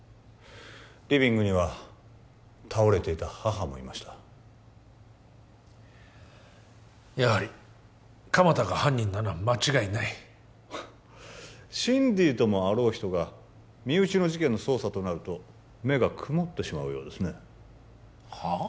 リビングには倒れていた母もいましたやはり鎌田が犯人なのは間違いないシンディーともあろう人が身内の事件の捜査となると目が曇ってしまうようですねはあ？